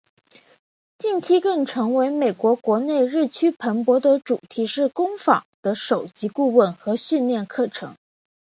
近期更成为美国国内日趋蓬勃的主题式工作坊的首席顾问和训练课程。